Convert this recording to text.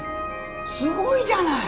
すごいじゃない！